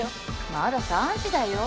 まだ３時だよ？